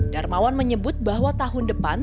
darmawan menyebut bahwa tahun depan